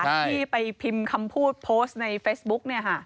ที่ไปพิมพ์คำพูดโพสต์ในเฟซบุ๊กเนี่ยค่ะ